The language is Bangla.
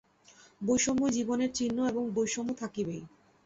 বৈষম্যই জীবনের চিহ্ন এবং বৈষম্য থাকিবেই।